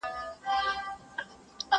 کېدای سي پاکوالی کمزوری وي؟!